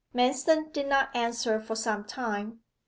Manston did not answer for some time.